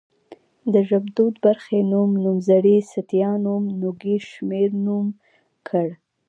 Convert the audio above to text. د ژبدود برخې نوم، نومځری ستيانوم ، نوږی شمېرنوم کړ